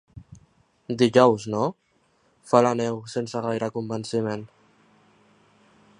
Dijous, no? —fa la Neus, sense gaire convenciment.